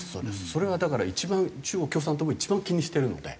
それがだから一番中国共産党も一番気にしてるので。